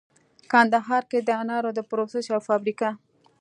کندهار کې د انارو د پروسس یوه فابریکه